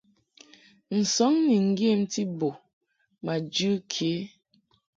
Nsɔŋ ni ŋgyemti bo ma jɨ ke.